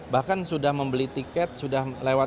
bahkan sudah membeli tiket sudah lewat